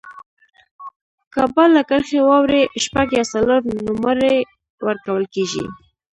که بال له کرښي واوړي، شپږ یا څلور نومرې ورکول کیږي.